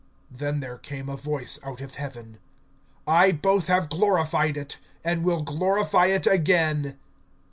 Then there came a voice out of heaven: I both have glorified it, and will glorify it again.